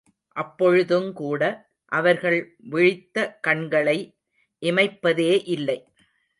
அப்பொழுதுங்கூட, அவர்கள் விழித்த கண்களை இமைப்பதே இல்லை.